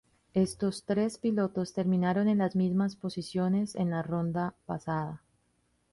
Estos tres pilotos terminaron en las mismas posiciones en la ronda pasada.